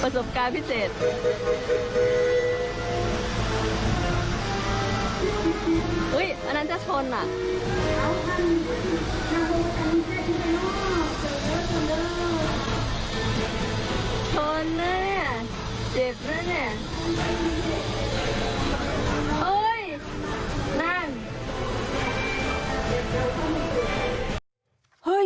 โทนนะเนี่ยเจ็บนะเนี่ย